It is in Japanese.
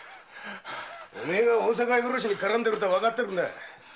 てめえが大阪屋殺しに絡んでることはわかっているんだ！